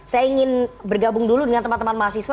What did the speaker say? saya ingin bergabung dulu dengan teman teman mahasiswa